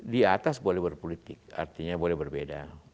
di atas boleh berpolitik artinya boleh berbeda